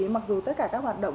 mặc dù tất cả các hoạt động